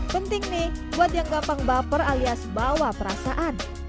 penting nih buat yang gampang baper alias bawa perasaan